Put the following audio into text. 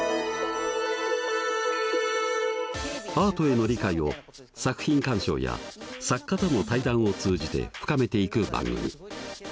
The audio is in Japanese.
アートへの理解を作品鑑賞や作家との対談を通じて深めていく番組。